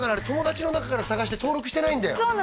友達の中から探して登録してないんだよ